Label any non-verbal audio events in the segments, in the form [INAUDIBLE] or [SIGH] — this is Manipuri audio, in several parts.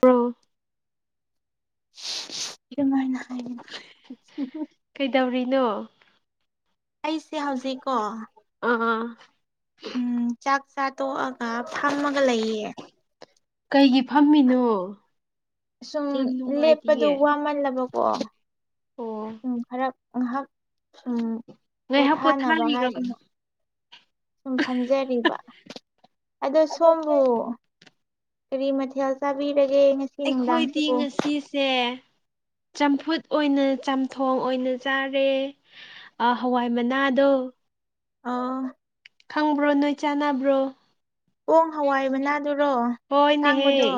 ꯄ꯭ꯔꯣ ꯑꯗꯨꯝꯃꯥꯏꯅ ꯍꯥꯏꯌꯦꯅꯣ ꯀꯩꯗꯧꯔꯤꯅꯣ ꯑꯩꯁꯦ ꯍꯧꯖꯤꯛꯀꯣ ꯑꯥ ꯎꯝ ꯆꯥꯛ ꯆꯥ ꯇꯣꯛꯑꯒ ꯐꯝꯃꯒ ꯂꯩꯌꯦ ꯀꯩꯒꯤ ꯐꯝꯃꯤ ꯁꯨꯝ ꯂꯦꯞꯄꯗꯨ ꯅꯨꯡꯉꯥꯏꯇꯤꯌꯦ ꯋꯥꯃꯜꯂꯕ ꯑꯣ ꯑꯣ ꯎꯝ ꯐꯔꯛ ꯉꯥꯏꯍꯥꯛ ꯎꯝ ꯉꯥꯏꯍꯥꯛ ꯄꯣꯊꯥꯅꯕ ꯄꯣꯊꯥꯔꯤꯔꯣ ꯍꯥꯏꯗꯅ ꯁꯨꯝ ꯐꯝꯖꯔꯤꯕ ꯑꯗꯣ ꯁꯣꯝꯕꯨ ꯀꯔꯤ ꯃꯊꯦꯜ ꯆꯥꯕꯤꯔꯒꯦ ꯑꯩꯈꯣꯏꯗꯤ ꯅꯨꯡꯗꯥꯡꯁꯤꯕꯨ ꯉꯁꯤꯁꯦ ꯆꯝꯐꯨꯠ ꯑꯣꯏꯅ ꯆꯝꯊꯣꯡ ꯑꯣꯏꯅ ꯆꯥꯔꯦ ꯑ ꯍꯋꯥꯏ ꯃꯅꯥꯗꯣ ꯑꯥ ꯈꯪꯕ꯭ꯔꯣ ꯅꯣꯏ ꯆꯥꯟꯅꯕ꯭ꯔꯣ ꯄꯣꯡ ꯍꯋꯥꯏ ꯃꯅꯥꯗꯨꯔꯣ ꯍꯣꯏꯅꯦꯍꯦ ꯑꯁꯥꯡꯕꯗꯣ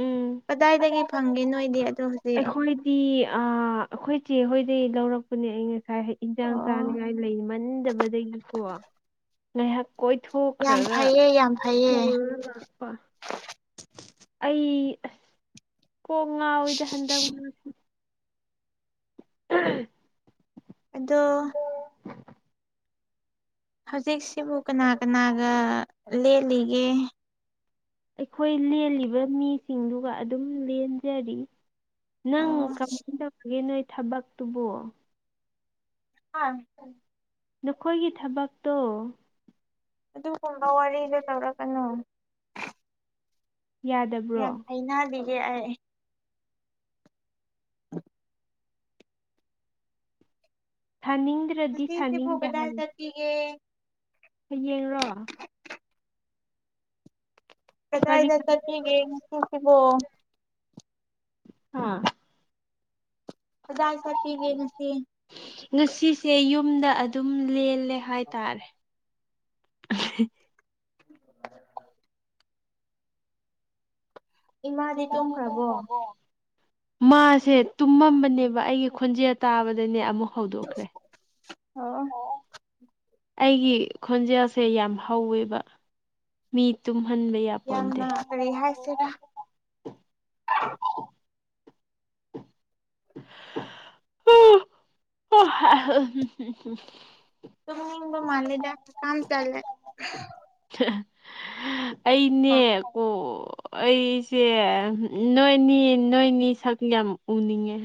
ꯎꯝ ꯀꯗꯥꯏꯗꯒꯤ ꯐꯪꯒꯦ ꯅꯣꯏꯗꯤ ꯑꯣ ꯍꯧꯖꯤꯛ ꯇꯤ ꯑꯩꯈꯣꯏꯆꯦ ꯍꯣꯏꯗꯤ ꯂꯧꯔꯛ ꯅꯦ ꯑꯩ ꯉꯁꯥꯏ ꯏꯟꯖꯥꯡ ꯑꯣ ꯆꯥꯅꯤꯡꯉꯥꯏ ꯂꯩꯃꯟꯗꯕꯗꯒꯤꯀꯣ ꯉꯥꯏꯍꯥꯛ ꯌꯥꯝ ꯀꯣꯏꯊꯣꯛꯈ꯭ꯔꯒ ꯐꯩꯌꯦ ꯌꯥꯝ ꯐꯩꯌꯦ ꯄꯨꯔ ꯂꯥꯛꯄ ꯑꯩ ꯑꯁ ꯀꯣꯛ ꯉꯥꯎꯋꯏꯗ ꯍꯟꯗꯛ ꯎꯝ ꯑꯗꯣ ꯍꯧꯖꯤꯛꯁꯤꯕꯨ ꯀꯅꯥ ꯀꯅꯥꯒ ꯂꯦꯜꯂꯤꯒꯦ ꯑꯩꯈꯣꯏ ꯂꯦꯜꯂꯤꯕ ꯃꯤꯁꯤꯡꯗꯨꯒ ꯑꯗꯨꯝ ꯂꯦꯟꯖꯔꯤ ꯅꯪ ꯑꯣ ꯀꯃꯥꯏꯅ ꯇꯧꯔꯒꯦ ꯅꯣꯏ ꯊꯕꯛꯇꯨꯕꯣ ꯑꯥ ꯅꯈꯣꯏꯒꯤ ꯊꯕꯛꯇꯣ ꯑꯗꯨꯒꯨꯝꯕ ꯋꯥꯔꯤꯗ ꯇꯧꯔꯛꯀꯅꯨ ꯌꯥꯗꯕ꯭ꯔꯣ ꯌꯥꯝ ꯍꯩꯅꯕꯤꯒꯦ ꯑꯩ [UNINTELLIGIBLE] ꯁꯥꯅꯤꯡꯗ꯭ꯔꯗꯤ ꯁꯥꯅꯤꯡꯗꯦ ꯍꯥꯏꯔ ꯒꯦ ꯍꯣꯏ ꯌꯦꯡꯔꯣ ꯀꯔꯤ ꯀꯗꯥꯏꯗ ꯆꯠꯈꯤꯒꯦ ꯉꯁꯤꯁꯤꯕꯣ ꯍ ꯀꯗꯥꯏ ꯆꯠꯄꯤꯒꯦ ꯉꯁꯤ ꯉꯁꯤꯁꯦ ꯌꯨꯝꯗ ꯑꯗꯨꯝ ꯂꯦꯜꯂꯦ ꯍꯥꯏꯇꯥꯔꯦ ꯏꯃꯥꯗꯤ ꯇꯨꯝꯈ꯭ꯔꯕꯣ ꯃꯥꯁꯦ ꯇꯨꯝꯃꯝꯕꯅꯦꯕ ꯑꯩꯒꯤ ꯈꯣꯟꯖꯦꯜ ꯇꯥꯕꯗꯅꯦ ꯑꯃꯨꯛ ꯍꯗꯣꯛꯈ꯭ꯔꯦ ꯑꯣ ꯑꯩꯒꯤ ꯈꯣꯟꯖꯦꯜꯁꯦ ꯌꯥꯝ ꯍꯧꯋꯦꯕ ꯃꯤ ꯇꯨꯝꯍꯟꯕ ꯌꯥ ꯌꯥꯝꯅ ꯀꯔꯤ ꯍꯥꯏꯁꯤꯔꯥ ꯑꯣ [UNINTELLIGIBLE] ꯇꯨꯝꯅꯤꯡꯕ ꯃꯥꯜꯂꯤꯗ ꯍꯥꯀꯥꯝ ꯆꯜꯂꯦ ꯑꯩꯅꯦ ꯑꯣ ꯀꯣ ꯑꯩꯁꯦ ꯅꯣꯏꯅꯤ ꯅꯣꯏꯅꯤ ꯁꯛ ꯌꯥꯝ ꯎꯅꯤꯡꯉꯦ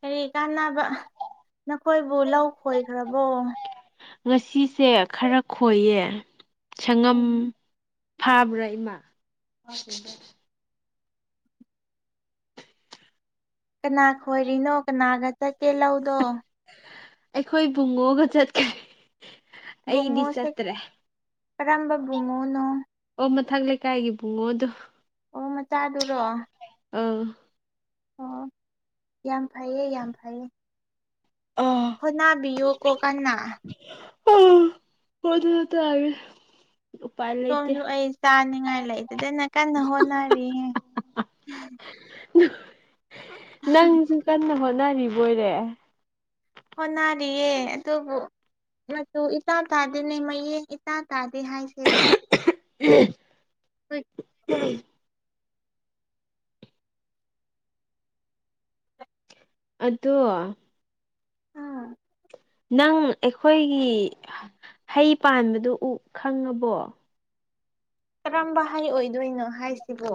ꯀꯔꯤ ꯀꯥꯟꯅꯕ ꯅꯈꯣꯏꯕꯨ ꯂꯧ ꯈꯣꯏꯈ꯭ꯔꯕꯣ ꯉꯁꯤꯁꯦ ꯈꯔ ꯈꯣꯏꯌꯦ ꯁꯉꯝ ꯎꯝ ꯊꯥꯕ꯭ꯔꯥ ꯏꯃꯥ ꯀꯅꯥ ꯈꯣꯏꯔꯤꯅꯣ ꯀꯅꯥꯒ ꯆꯠꯀꯦ ꯂꯧꯗꯣ ꯑꯩꯈꯣꯏ ꯄꯨꯡꯉꯣꯛꯒ ꯆꯠꯀꯦ ꯕꯨꯡꯉꯣꯁꯦ ꯀꯔꯝꯕ ꯕꯨꯡꯉꯣꯅꯣ ꯑꯣ ꯃꯊꯛ ꯂꯩꯀꯥꯏꯒꯤ ꯄꯨꯡꯉꯣꯗꯣ ꯑꯣ ꯃꯆꯥꯗꯨꯔꯣ ꯑꯥ ꯑꯣ ꯌꯥꯝ ꯐꯩꯌꯦ ꯌꯥꯝ ꯐꯩꯌꯦ ꯑꯥ ꯍꯣꯅꯥꯕꯤꯌꯨ ꯀꯣ ꯀꯥꯟꯅꯥ [UNINTELLIGIBLE] ꯎꯄꯥꯏ ꯂꯩꯇꯦ ꯁꯣꯝꯁꯨ ꯑꯩ ꯆꯥꯅꯤꯡꯉꯥꯏ ꯂꯩꯇꯗꯅ ꯀꯟꯅ ꯍꯣꯠꯅꯔꯤꯍꯦ ꯅꯪꯁꯨ ꯀꯟꯅ ꯍꯣꯠꯅꯔꯤꯕꯣꯏꯔꯦ ꯍꯣꯅꯔꯤꯌꯦ ꯑꯗꯨꯕꯨ ꯃꯆꯨ ꯏꯇꯥ ꯇꯥꯗꯦꯅꯦ ꯃꯌꯦꯡ ꯏꯇꯥ ꯇꯥꯗꯦ ꯍꯥꯏꯁꯤꯔꯥ ꯎꯝ ꯎꯝ ꯑꯗꯣ ꯎꯝ ꯅꯪ ꯑꯩꯈꯣꯏꯒꯤ ꯍꯩ ꯄꯥꯟꯕꯗꯨ ꯎ ꯈꯪꯉꯕꯣ ꯀꯔꯝꯕ ꯍꯩ ꯑꯣꯏꯗꯣꯏꯅꯣ ꯍꯥꯏꯁꯤꯕꯣ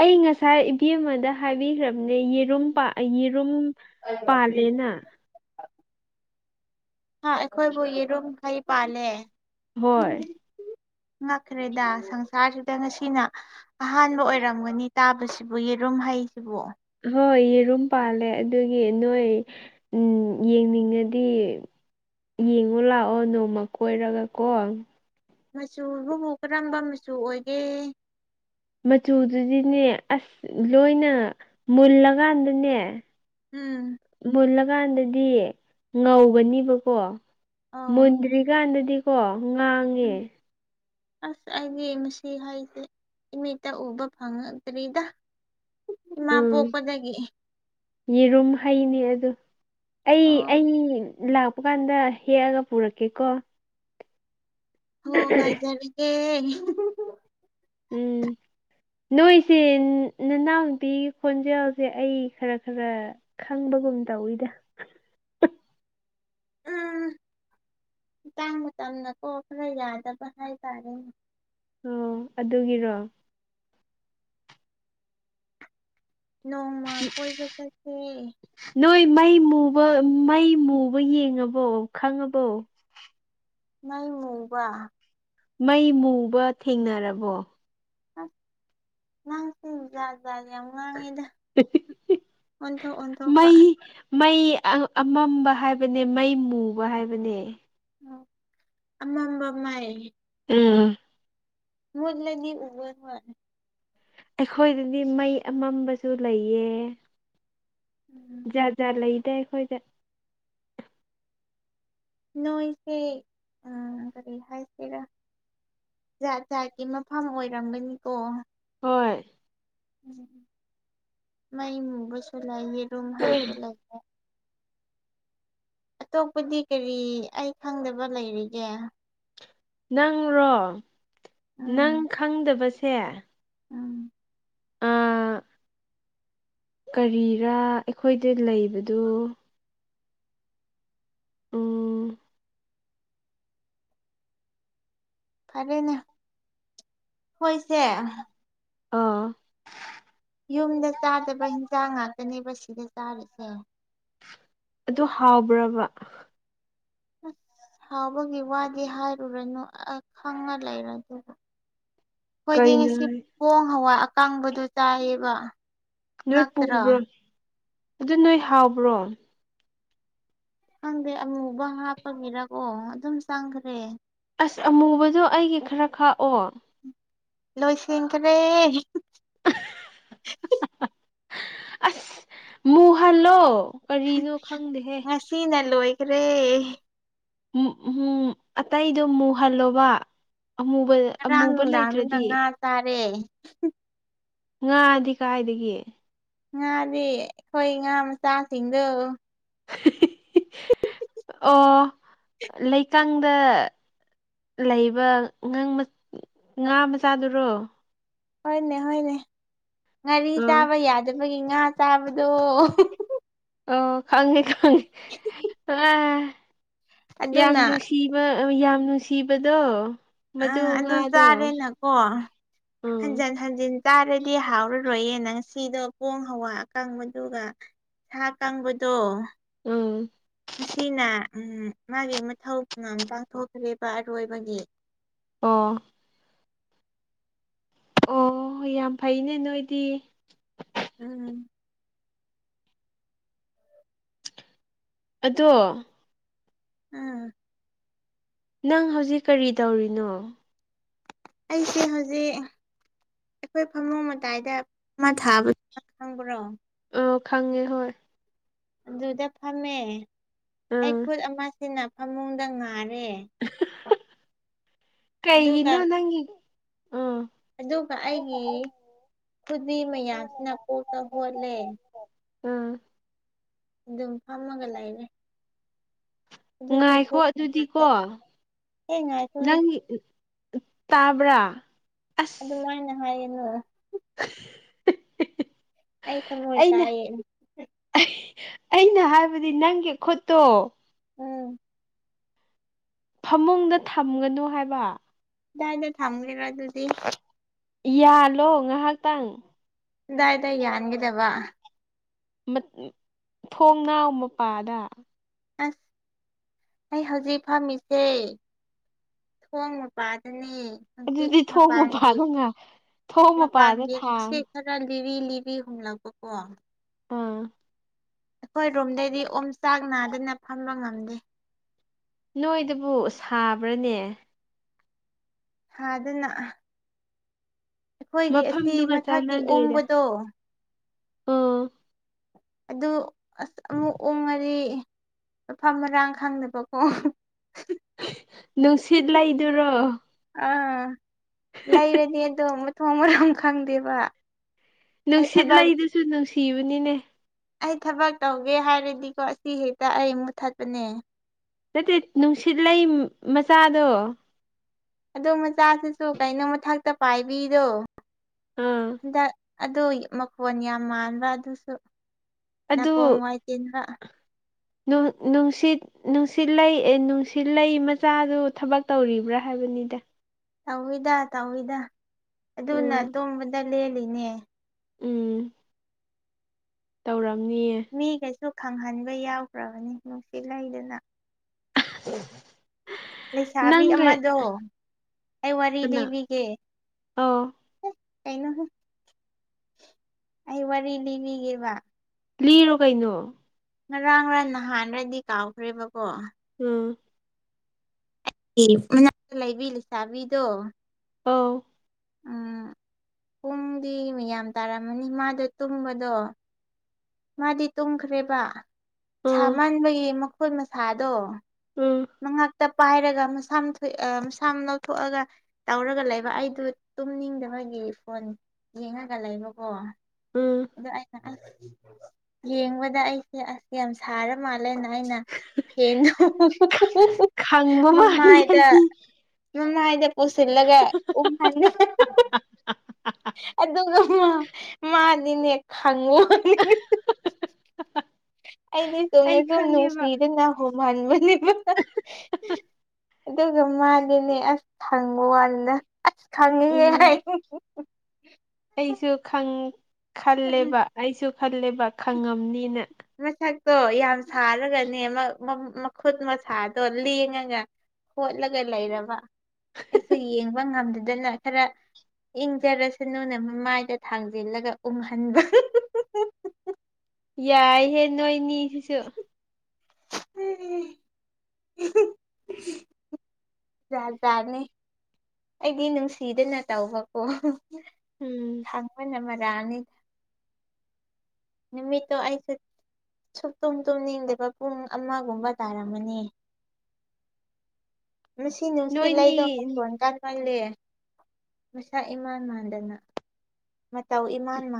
ꯑꯩ ꯉꯁꯥꯏ ꯏꯕꯦꯝꯃꯗ ꯍꯥꯏꯕꯤꯈ꯭ꯔꯕꯅꯦ ꯌꯦꯔꯨꯝ ꯄꯥ ꯌꯦꯔꯨꯝ ꯄꯥꯂꯦꯅ ꯍꯥ ꯑꯩꯈꯣꯏꯕꯨ ꯌꯦꯔꯨꯝꯈꯩ ꯄꯥꯜꯂꯦ ꯍꯣꯏ ꯉꯛꯈ꯭ꯔꯦꯗ ꯁꯪꯁꯥꯔꯁꯤꯗ ꯉꯁꯤꯅ ꯑꯍꯥꯟꯕ ꯑꯣꯏꯔꯝꯒꯅꯤ ꯇꯥꯕꯁꯤꯕꯨ ꯌꯦꯔꯨꯝ ꯍꯩꯁꯤꯕꯨ ꯍꯣꯏ ꯌꯦꯔꯨꯝ ꯄꯥꯜꯂꯦ ꯑꯗꯨꯒꯤ ꯅꯣꯏ ꯎꯝ ꯌꯦꯡꯅꯤꯡꯉꯗꯤ ꯌꯦꯡꯉꯣ ꯂꯥꯛꯑꯣ ꯅꯣꯡꯃ ꯀꯣꯏꯔꯒꯀꯣ ꯃꯆꯨꯗꯨꯕꯨ ꯀꯔꯝꯕ ꯃꯆꯨ ꯑꯣꯏꯒꯦ ꯃꯆꯨꯗꯨꯗꯤꯅꯦ ꯑꯁ ꯂꯣꯏꯅ ꯃꯨꯜꯂꯀꯥꯟꯗꯅꯦ ꯎꯝ ꯃꯨꯜꯂꯀꯥꯟꯗꯗꯤ ꯉꯧꯒꯅꯦꯕꯀꯣ ꯑꯣ ꯃꯨꯟꯗ꯭ꯔꯤꯀꯥꯟꯗꯗꯤꯀꯣ ꯉꯥꯡꯉꯦ ꯎꯝ ꯑꯁ ꯑꯩꯗꯤ ꯃꯁꯤ ꯍꯥꯏꯁꯦ ꯏꯃꯤꯠꯇ ꯎꯕ ꯐꯪꯉꯛꯇ꯭ꯔꯤꯗ ꯏꯃꯥ ꯎꯝ ꯄꯣꯛꯄꯗꯒꯤ ꯌꯦꯔꯨꯝ ꯍꯩꯅꯦ ꯑꯗꯨ ꯑꯩ ꯑꯣ ꯑꯩ ꯂꯥꯛꯄ ꯀꯥꯟꯗ ꯍꯦꯛꯑꯒ ꯄꯨꯔꯛꯀꯦꯀꯣ ꯍꯣ ꯉꯥꯏꯖꯔꯒꯦ ꯎꯝ ꯅꯣꯏꯁꯦ ꯅꯅꯥꯎꯅꯨꯄꯤꯒꯤ ꯈꯣꯟꯖꯦꯜꯁꯦ ꯑꯩ ꯈꯔ ꯈꯔ ꯈꯪꯕꯒꯨꯝ ꯇꯧꯋꯤꯗ ꯎꯝ ꯃꯇꯥꯡ ꯃꯇꯝꯅꯀꯣ ꯈꯔ ꯌꯥꯗꯕ ꯍꯥꯏ ꯇꯥꯔꯦꯅꯦ ꯑꯣ ꯑꯗꯨꯒꯤꯔꯣ ꯅꯣꯡꯃ ꯀꯣꯏꯕ ꯆꯠꯁꯦ ꯅꯣꯏ ꯃꯩ ꯃꯨꯕ ꯃꯩ ꯃꯨꯕ ꯌꯦꯡꯉꯕꯣ ꯈꯪꯉꯕꯣ ꯅꯪ ꯃꯨꯕ ꯃꯩ ꯃꯨꯕ ꯊꯦꯡꯅꯔꯕꯣ ꯅꯪꯁꯦ ꯖꯥꯠ ꯖꯥꯠ ꯌꯥꯝ ꯉꯥꯡꯉꯤꯗ ꯑꯣꯟꯊꯣꯛ ꯑꯣꯟꯊꯣꯛꯄ ꯃꯩ ꯃꯩ ꯑꯃꯝꯕ ꯍꯥꯏꯕꯅꯦ ꯃꯩ ꯃꯨꯕ ꯍꯥꯏꯕꯅꯦ ꯑꯣ ꯑꯃꯝꯕ ꯃꯩ ꯎꯝ ꯃꯨꯠꯂꯗꯤ ꯎꯔꯣꯢꯕ ꯑꯩꯈꯣꯏꯗꯗꯤ ꯃꯩ ꯑꯃꯝꯕꯁꯨ ꯂꯩꯌꯦ [UNINTELLIGIBLE] ꯖꯥꯠ ꯖꯥꯠ ꯂꯩꯗ ꯑꯩꯈꯣꯏꯗ ꯅꯣꯏꯁꯦ ꯀꯔꯤ ꯍꯥꯏꯁꯤꯔꯥ ꯖꯥꯠ ꯖꯥꯠꯀꯤ ꯃꯐꯝ ꯑꯣꯏꯔꯝꯒꯅꯤꯀꯣ ꯍꯣꯏ ꯎꯝ ꯃꯩꯕꯁꯨ ꯂꯩꯋꯦ ꯑꯗꯨꯝ ꯍꯥꯏꯖꯤꯜꯂꯒ ꯑꯇꯣꯞꯄꯗꯤ ꯀꯔꯤ ꯑꯩ ꯈꯪꯗꯕ ꯂꯩꯔꯤꯒꯦ ꯅꯪꯔꯣ ꯎꯝ ꯅꯪ ꯈꯪꯗꯕꯁꯦ ꯎꯝ ꯑꯥ ꯀꯔꯤꯔꯥ ꯑꯩꯈꯣꯏꯗ ꯂꯩꯕꯗꯨ ꯎꯝ ꯐꯔꯦꯅꯦ ꯍꯣꯏꯁꯦ ꯑꯥ ꯌꯨꯝꯗ ꯆꯥꯗꯕ ꯍꯤꯟꯖꯥꯡ ꯉꯥꯛꯇꯅꯦꯕ ꯁꯤꯗ ꯆꯥꯔꯤꯁꯦ ꯑꯗꯨ ꯍꯥꯎꯕ꯭ꯔꯕ ꯑꯁ ꯍꯥꯎꯕꯒꯤ ꯋꯥꯗꯤ ꯍꯥꯏꯔꯨꯔꯅꯨ ꯑ ꯈꯪꯉ ꯂꯩꯔꯕꯅꯦ [INAUDIBLE] ꯑꯩꯈꯣꯏꯗꯤ ꯉꯁꯤ ꯄꯣꯡ ꯍꯋꯥꯏ ꯑꯀꯥꯡꯕꯗꯨ ꯆꯥꯏꯌꯦꯕ ꯅꯣꯏ ꯉꯛꯇ꯭ꯔꯣ ꯄꯨꯕ꯭ꯔꯣ ꯑꯗꯨ ꯅꯣꯏ ꯍꯥꯎꯕ꯭ꯔꯣ ꯈꯪꯗꯦ ꯑꯃꯨꯕ ꯍꯥꯞꯄꯒꯤꯔꯀꯣ ꯑꯗꯨꯝ ꯆꯪꯈ꯭ꯔꯦ ꯑꯁ ꯑꯃꯨꯕꯗꯣ ꯑꯩꯒꯤ ꯈꯔ ꯈꯥꯛꯑꯣ ꯅꯣꯏꯁꯤꯡꯈꯔꯦ ꯑꯁ ꯃꯨꯍꯜꯂꯣ ꯀꯔꯤꯅꯣ ꯈꯪꯗꯦꯍꯦ ꯉꯁꯤꯅ ꯂꯣꯏꯈ꯭ꯔꯦ ꯎꯝ ꯑꯇꯩꯗꯣ ꯃꯨꯍꯜꯂꯣꯕ ꯑꯃꯨꯕꯗ ꯉꯔꯥꯡ ꯅꯨꯡꯗꯥꯡꯗꯨꯅ ꯉꯥ ꯆꯥꯔꯦ ꯉꯥꯗꯤ ꯀꯥꯏꯗꯒꯤ ꯉꯥꯗꯤ ꯑꯩꯈꯣꯏ ꯉꯥ ꯃꯆꯥꯁꯤꯡꯗꯣ ꯑꯣ ꯂꯩꯀꯪꯗ ꯂꯩꯕ ꯉꯥ ꯃꯆꯥꯗꯨꯔꯣ ꯍꯣꯏꯅꯦ ꯍꯣꯏꯅꯦ ꯉꯥꯔꯤ ꯑꯥ ꯆꯥꯕ ꯌꯥꯗꯕꯒꯤ ꯉꯥ ꯆꯥꯕꯗꯣ ꯑꯣ ꯈꯪꯉꯦ ꯈꯪꯉꯦ ꯑꯥ ꯌꯥꯝ ꯑꯗꯨꯅ ꯅꯨꯡꯁꯤ ꯅꯨꯡ ꯁꯤꯕ ꯌꯥꯝ ꯅꯨꯡꯁꯤꯕꯗꯣ ꯃꯗꯨ ꯑꯥ ꯑꯗꯨ ꯉꯥꯗꯣ ꯆꯥꯔꯦꯅꯀꯣ ꯎꯝ ꯍꯟꯖꯤꯟ ꯍꯟꯖꯤꯟ ꯆꯥꯔꯗꯤ ꯍꯥꯎꯔꯔꯣꯏꯌꯦ ꯅꯪ ꯁꯤꯗꯣ ꯄꯣꯡ ꯍꯋꯥ ꯑꯀꯪꯕꯗꯨꯒ ꯁꯥ ꯀꯥꯡꯕꯗꯣ ꯎꯝ ꯁꯤꯅ ꯎ ꯃꯥꯒꯤ ꯃꯊꯧꯝ ꯄꯥꯡꯊꯣꯛꯈ꯭ꯦꯔꯤꯕ ꯑꯔꯣꯏꯕꯒꯤ ꯑꯣ ꯑꯣ ꯌꯥꯝ ꯐꯩꯅꯦ ꯅꯣꯏꯗꯤ ꯎꯝ ꯑꯗꯣ ꯎꯝ ꯅꯪ ꯍꯧꯖꯤꯛ ꯀꯔꯤ ꯇꯧꯔꯤꯅꯣ ꯑꯩꯁꯦ ꯍꯧꯖꯤꯛ ꯑꯩꯈꯣꯏ ꯐꯝꯅꯨꯡ ꯃꯇꯥꯏꯗ ꯑꯃ ꯊꯥꯕꯗ ꯈꯪꯕ꯭ꯔꯣ ꯑ ꯈꯪꯉꯦ ꯍꯣꯏ ꯑꯗꯨꯗ ꯐꯝꯃꯦ ꯑꯩ ꯎꯝ ꯈꯨꯠ ꯑꯃꯁꯤꯅ ꯐꯃꯨꯡꯗ ꯉꯥꯔꯦ ꯑꯗꯨꯒ ꯀꯩꯒꯤꯅꯣ ꯅꯪꯒꯤ ꯎ ꯑꯗꯨꯒ ꯑꯩꯒꯤ ꯈꯨꯗꯤ ꯃꯌꯥꯝꯁꯤꯅ ꯄꯣꯛꯅ ꯍꯣꯠꯂꯦ ꯎꯝ ꯑꯗꯨꯝ ꯐꯝꯃꯒ ꯂꯩꯔꯦ ꯑꯗꯨꯁꯨ ꯉꯥꯏꯈꯣ ꯊꯣꯛꯄ ꯑꯗꯨꯗꯤꯀꯣ ꯉꯥꯛꯇ ꯍꯦ ꯉꯥꯏꯈꯣꯍꯦ ꯅꯪ ꯇꯕ꯭ꯔꯥ ꯑꯁ ꯑꯗꯨꯃꯥꯏꯅ ꯍꯥꯏꯌꯦꯅꯥ [INAUDIBLE] ꯑꯩ ꯊꯥꯃꯣꯏ ꯑꯩꯅ ꯀꯥꯏꯌꯦ ꯑꯩꯅ ꯍꯥꯏꯕꯗꯤ ꯅꯪꯒꯤ ꯈꯨꯠꯇꯣ ꯎꯝ ꯐꯃꯨꯡꯗ ꯊꯝꯒꯅꯨ ꯍꯥꯏꯕ ꯀꯗꯥꯏꯗ ꯊꯥꯝꯒꯔ꯭ꯤꯔ ꯑꯗꯨꯗꯤ ꯌꯥꯜꯂꯣ ꯉꯥꯏꯍꯥꯛꯇꯪ ꯗꯥꯏꯗ ꯌꯥꯟꯈꯤꯗꯕ ꯊꯣꯡ ꯅꯥꯎ ꯃꯄꯥꯗ ꯑꯁ ꯑꯩ ꯍꯧꯖꯤꯛ ꯐꯝꯃꯤꯁꯦ ꯊꯣꯡꯃꯄꯥꯗꯅꯤ ꯑꯗꯨꯗꯤ ꯊꯣꯡ ꯃꯄꯥꯗ ꯉꯥ ꯊꯣꯡ ꯃꯄꯥꯗ ꯃꯄꯥꯟꯒꯤ ꯊꯥꯡ ꯁꯤ ꯈꯔ ꯂꯤꯔꯤ ꯂꯤꯔꯤ ꯍꯨꯝꯂꯛꯄꯀꯣ ꯑꯥ ꯍꯣꯏ ꯔꯣꯝꯗꯩꯗꯤ ꯑꯣꯝ ꯆꯥꯛ ꯅꯥꯗꯅ ꯐꯝꯕ ꯉꯝꯗꯦ ꯅꯣꯏꯗꯕꯨ ꯁꯥꯕ꯭ꯔꯅꯦ ꯁꯥꯗꯅ ꯑꯩꯈꯣꯏꯒꯤ ꯑꯁꯤ ꯃꯐꯝꯗꯨꯒ ꯃꯊꯛꯀꯤ ꯆꯥꯟꯅꯗ꯭ꯔꯦꯗ ꯑꯣꯡꯕꯗꯣ ꯑꯣ ꯑꯗꯨ ꯑꯁ ꯑꯃꯨꯛ ꯑꯣꯡꯉꯔꯤ ꯃꯐꯝ ꯃꯔꯥꯡ ꯈꯪꯅꯗꯕꯀꯣ ꯅꯨꯡꯁꯤꯠ ꯂꯩꯗꯨꯔꯣ ꯑꯥ ꯂꯩꯔꯗꯤ ꯑꯗꯣ ꯃꯊꯣꯡ ꯃꯔꯝ ꯈꯪꯗꯦꯕ ꯑꯩ ꯊꯕꯛ ꯅꯨꯡꯁꯤꯠꯂꯩꯗꯨꯁꯨ ꯅꯨꯡꯁꯤꯕꯅꯤꯅꯦ ꯑꯩ ꯊꯕꯛ ꯇꯧꯒꯦ ꯍꯥꯏꯔꯗꯤꯀꯣ ꯑꯁꯤ ꯍꯦꯛꯇ ꯑꯩ ꯃꯨꯠꯊꯠꯄꯅꯦ ꯑꯗꯨ ꯅꯨꯡꯁꯤꯠ ꯂꯩ ꯃꯆꯥꯗꯣ ꯑꯗꯣ ꯃꯆꯥꯁꯤꯁꯨ ꯀꯩꯅꯣ ꯃꯊꯛꯇ ꯄꯥꯏꯕꯤꯗꯣ ꯑꯥ ꯍꯟꯗꯛ ꯑꯗꯣ ꯃꯈꯣꯟ ꯌꯥꯝ ꯃꯥꯟꯕ ꯑꯗꯨꯁꯨ ꯑꯗꯨ ꯅꯥꯀꯣꯡ ꯋꯥꯏ ꯇꯤꯟꯕ ꯅꯨꯡ ꯅꯨꯡꯁꯤꯠ ꯅꯨꯡꯁꯤꯠꯂꯩ ꯑ ꯅꯨꯡꯁꯤꯠꯂꯩ ꯃꯆꯥꯗꯨ ꯊꯕꯛ ꯇꯧꯔꯤꯕ꯭ꯔꯥ ꯍꯥꯏꯕꯅꯤꯗ ꯇꯧꯋꯤꯗ ꯇꯧꯏꯤꯗ ꯑꯗꯨꯅ ꯎꯝ ꯇꯣꯕꯗ ꯂꯦꯜꯂꯤꯅꯦ ꯎꯝ ꯇꯧꯔꯝꯅꯤꯌꯦ ꯃꯤꯒꯩꯁꯨ ꯈꯪꯍꯟꯕ ꯌꯥꯎꯒ꯭ꯔꯕꯅꯤ ꯅꯨꯡꯁꯤꯠ ꯂꯩꯗꯅ [INAUDIBLE] ꯂꯩꯁꯥꯕꯤ ꯅꯪꯒ ꯑꯃꯗꯣ ꯑꯩ ꯋꯥꯔꯤ ꯀꯅꯥ ꯂꯤꯕꯤꯒꯦ ꯑꯧ ꯀꯩꯅꯣꯍꯩ ꯑꯩ ꯋꯥꯔꯤ ꯂꯤꯕꯤꯒꯦꯕ ꯂꯤꯔꯣ ꯀꯩꯅꯣ ꯉꯔꯥꯡꯔꯥ ꯅꯍꯥꯟꯔꯗꯤ ꯀꯥꯎꯈ꯭ꯔꯦꯕꯀꯣ ꯎꯝ [UNINTELLIGIBLE] ꯂꯩꯕꯤ ꯂꯩꯁꯥꯕꯤꯗꯣ ꯑꯧ ꯎꯝ ꯄꯨꯡꯗꯤ ꯃꯤꯌꯥꯝ ꯇꯥꯔꯝꯃꯅꯤ ꯃꯥꯗ ꯇꯨꯝꯕꯗꯣ ꯃꯥꯗꯤ ꯇꯨꯝꯈ꯭ꯔꯦꯕ ꯎꯝ ꯁꯥꯃꯟꯕꯒꯤ ꯃꯈꫭꯏ ꯃꯁꯥꯗꯣ ꯎꯝ ꯃꯉꯛꯇ ꯄꯥꯏꯔꯒ ꯃꯁꯥ ꯑ ꯃꯁꯥꯝ ꯂꯧꯊꯣꯛꯑꯒ ꯇꯧꯔꯒ ꯂꯩꯕ ꯑꯩꯗꯨ ꯇꯨꯝꯅꯤꯡꯗꯕꯒꯤ ꯐꯣꯟ ꯌꯦꯡꯉꯒ ꯂꯩꯕꯀꯣ ꯎꯝ ꯑꯗ ꯑꯩꯅ ꯑꯥ ꯌꯦꯡꯕꯗ ꯑꯩꯁꯦ ꯑꯁ ꯌꯥꯝ ꯁꯥꯔ ꯃꯥꯜꯂꯦꯅ ꯑꯩꯅ ꯐꯦꯟꯗꯣ [UNINTELLIGIBLE] [UNINTELLIGIBLE] ꯈꯪꯕ ꯃꯥꯜꯂꯤ ꯃꯃꯥꯏꯗ ꯑꯩꯗꯤ ꯃꯃꯥꯏꯗ ꯄꯨꯁꯤꯜꯂꯒ ꯎ [UNINTELLIGIBLE] ꯑꯗꯨꯒ ꯃꯥ ꯃꯥꯗꯤꯅꯦ ꯈꯪꯉꯣ [UNINTELLIGIBLE] ꯑꯩꯗꯤ ꯆꯨꯝꯅ ꯑꯩ ꯁꯨꯝ ꯈꯪꯉꯦꯕ ꯅꯨꯡꯁꯤꯗꯅ ꯍꯣꯡꯍꯟꯕꯅꯦꯕ ꯑꯗꯨꯒ ꯃꯥꯗꯤꯅꯦ ꯑꯁ ꯈꯪꯕ ꯋꯥꯅꯤꯅ ꯑꯁ ꯈꯪꯉꯤꯍꯦ ꯎꯝ ꯑꯩꯁꯨ ꯈꯪ ꯈꯜꯂꯦꯕ ꯑꯩꯁꯨ ꯈꯜꯂꯦꯕ ꯈꯪꯉꯝꯅꯤꯅ ꯃꯁꯛꯇꯣ ꯌꯥꯝ ꯁꯥꯔꯒꯅꯦ ꯑꯃ ꯃꯈꯨꯠ ꯃꯁꯥꯗꯣ ꯂꯦꯡꯉꯒ ꯍꯣꯠꯂꯒ ꯂꯩꯔꯕ ꯑꯩꯁꯨ ꯌꯦꯡꯕ ꯉꯝꯗꯗꯅ ꯈꯔ ꯏꯪꯖꯔꯁ ꯅꯨꯅ ꯃꯃꯥꯏꯗ ꯊꯥꯡꯖꯤꯜꯂꯒ ꯎꯪꯍꯟꯕ ꯌꯥꯏꯍꯦ ꯅꯣꯏꯅꯤ ꯁꯤꯁꯨ ꯖꯥꯠ ꯖꯥꯠꯅꯤ ꯑꯩꯗꯤ ꯅꯨꯡꯁꯤꯗꯅ ꯇꯧꯕꯀꯣ ꯎꯝ ꯑꯪꯄꯅ ꯃꯔꯥꯅꯤ ꯃꯤꯃꯤ ꯇꯣ ꯑꯁ ꯁꯨ ꯇꯨꯝ ꯇꯨꯝꯅꯤꯡꯗꯕ ꯄꯨꯡ ꯑꯃꯒꯨꯝꯕ ꯇꯥꯔꯝꯃꯅꯤ [INAUDIBLE] ꯉ ꯅꯨꯡꯁꯤꯠ ꯅꯣꯏꯅꯤ ꯂꯩꯗꯧ ꯃꯣꯟ ꯀꯥꯟꯃꯜꯂ ꯃꯁꯥ ꯏꯃꯥꯟ ꯃꯥꯟꯗꯅ ꯃꯇꯥꯎ ꯏꯃꯥꯟ ꯃꯥꯟ